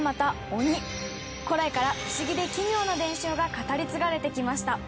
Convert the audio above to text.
古来からふしぎで奇妙な伝承が語り継がれてきました。